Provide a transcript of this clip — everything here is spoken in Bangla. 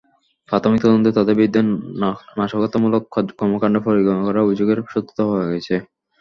প্রাথমিক তদন্তে তাঁদের বিরুদ্ধে নাশকতামূলক কর্মকাণ্ডের পরিকল্পনা করার অভিযোগের সত্যতা পাওয়া গেছে।